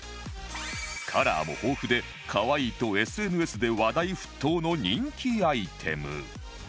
カラーも豊富で可愛いと ＳＮＳ で話題沸騰の人気アイテム